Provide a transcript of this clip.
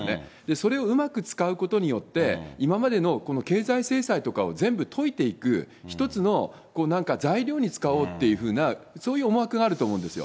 それをうまく使うことによって、今までの経済制裁とかを全部解いていく、１つのなんか材料に使おうというふうな、そういう思惑があると思うんですよ。